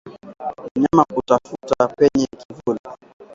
Mnyama kutafuta penye kivuli